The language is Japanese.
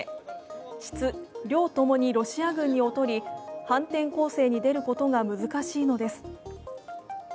質・量ともにロシア軍に劣り反転攻勢に出ることが難しいのです。